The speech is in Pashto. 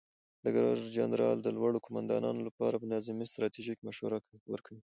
ډګر جنرال د لوړو قوماندانانو لپاره په نظامي ستراتیژۍ کې مشوره ورکوي.